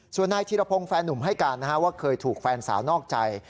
ส่วนนายธีรพงศ์แฟนนุ่มให้การว่าเคยถูกแฟนสาวนอกใจ